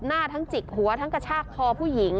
หน้าทั้งจิกหัวทั้งกระชากคอผู้หญิง